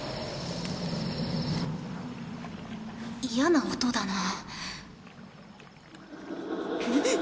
嫌な音だな。